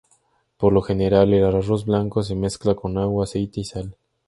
Por lo general, al arroz blanco se mezcla con agua, aceite y sal.